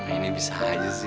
ini bisa aja sih